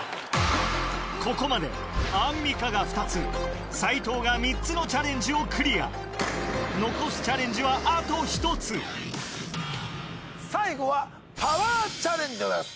ここまでアンミカが２つ斎藤が３つのチャレンジをクリア最後はパワーチャレンジでございます。